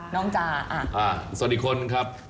น้องจาสวัสดีคนครับ